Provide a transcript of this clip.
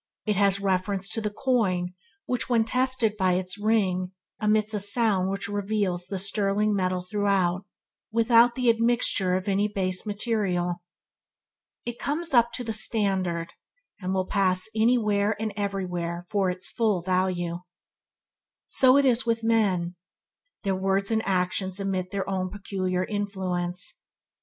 It has reference to the coin which, when tested by its ring, emits a sound which reveals the sterling metal throughout, without the admixture of any base material. It comes up to the standard, and will pass anywhere and everywhere for its full value. So with men. Their words and actions emit their own peculiar influence.